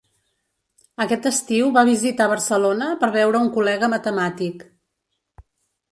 Aquest estiu va visitar Barcelona per veure un col·lega matemàtic.